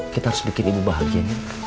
kita harus bikin ibu bahagia